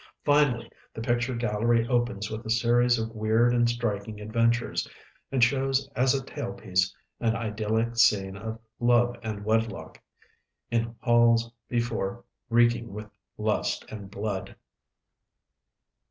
Finally the picture gallery opens with a series of weird and striking adventures, and shows as a tail piece an idyllic scene of love and wedlock, in halls before reeking with lust and blood.